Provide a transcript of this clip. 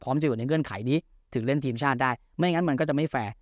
จะอยู่ในเงื่อนไขนี้ถึงเล่นทีมชาติได้ไม่งั้นมันก็จะไม่แฟร์